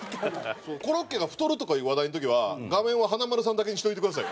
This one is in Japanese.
コロッケが太るとかいう話題の時は画面は華丸さんだけにしといてくださいよ。